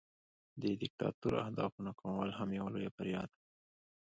د دیکتاتور د اهدافو ناکامول هم یوه لویه بریا ده.